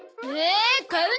買うの？